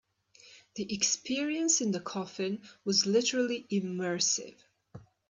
The experience in the coffin was literally immersive.